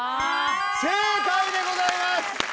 正解でございます。